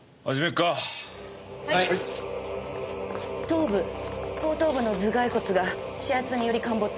頭部後頭部の頭蓋骨がし圧により陥没。